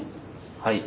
はい。